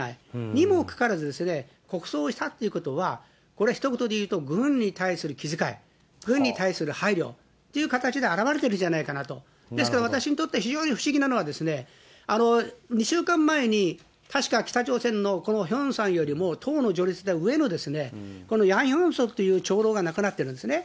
にもかかわらず、国葬をしたということは、これ、ひと言で言うと、軍に対する気遣い、軍に対する配慮という形で表れてるんじゃないかなと、ですから、私にとって非常に不思議なのは、２週間前に確か北朝鮮のこのヒョンさんよりも党の序列では上のこのヤン・ヨンソっていう長老が亡くなってるんですね。